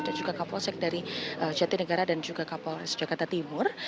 dan juga kapolsek dari jatinegara dan juga kapolres jakarta timur